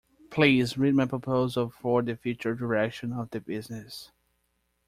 Please read my proposal for the future direction of the business.